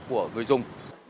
của người dùng